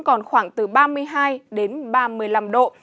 còn khoảng từ ba mươi hai đến ba mươi năm độ